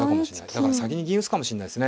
だから先に銀打つかもしれないですね